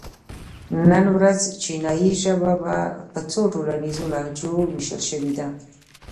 نن ورځ چینایي ژبه په څو ټولنیزو لهجو وېشل شوې ده.